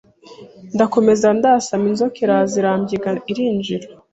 ndakomeza ndasama inzoka iraza irambyiga irinjira